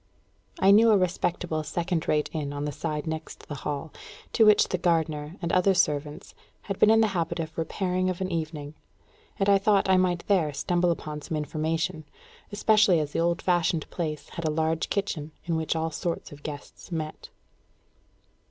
I knew a respectable second rate inn on the side next the Hall, to which the gardener and other servants had been in the habit of repairing of an evening; and I thought I might there stumble upon some information, especially as the old fashioned place had a large kitchen in which all sorts of guests met.